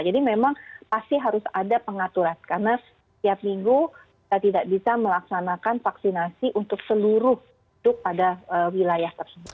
jadi memang pasti harus ada pengaturan karena setiap minggu kita tidak bisa melaksanakan vaksinasi untuk seluruh penduduk pada wilayah tersebut